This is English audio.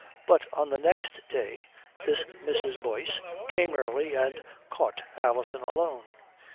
But on the next day this Mrs. Boyce came early and caught Alison alone.